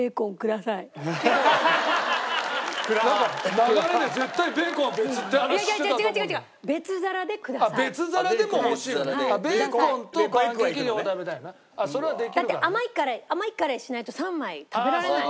だって甘い辛い甘い辛いしないと３枚食べられない。